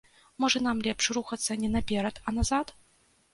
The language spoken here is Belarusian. Можа, нам лепш рухацца не наперад, а назад?